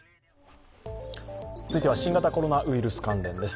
続いては新形コロナウイルス関連です。